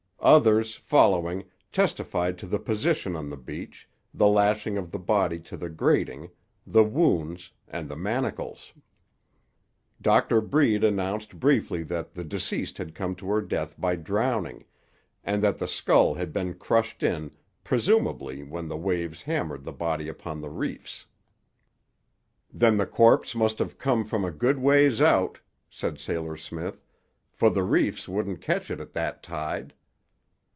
Others, following, testified to the position on the beach, the lashing of the body to the grating, the wounds, and the manacles. Doctor Breed announced briefly that the deceased had come to her death by drowning, and that the skull had been crushed in, presumably, when the waves hammered the body upon the reefs. "Then the corpse must have come from a good ways out," said Sailor Smith; "for the reefs wouldn't catch it at that tide."